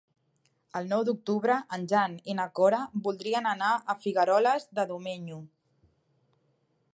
El nou d'octubre en Jan i na Cora voldrien anar a Figueroles de Domenyo.